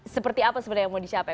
seperti apa sebenarnya yang mau dicapai